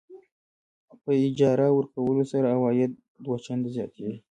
په اجاره ورکولو سره عواید دوه چنده زیاتېږي.